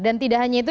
dan tidak hanya itu